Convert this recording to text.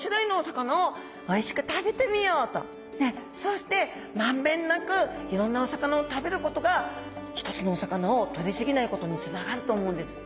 だったらそしてまんべんなくいろんなお魚を食べることが一つのお魚をとりすぎないことにつながると思うんです。